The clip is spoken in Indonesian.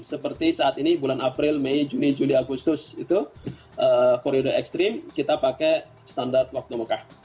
seperti saat ini bulan april mei juni juli agustus itu periode ekstrim kita pakai standar waktu mekah